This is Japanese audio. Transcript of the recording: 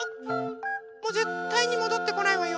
もうぜったいにもどってこないわよ。